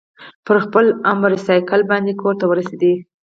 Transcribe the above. پر خپل امبرسایکل باندې کورته ورسېد.